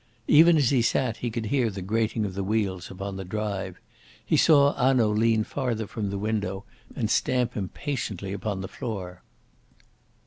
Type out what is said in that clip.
Even as he sat he could hear the grating of wheels upon the drive. He saw Hanaud lean farther from the window and stamp impatiently upon the floor.